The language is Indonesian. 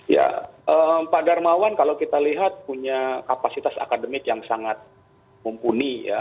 ya pak darmawan kalau kita lihat punya kapasitas akademik yang sangat mumpuni ya